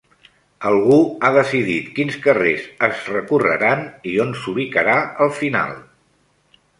Algú ha decidit quins carrers es recorreran i on s'ubicarà el final.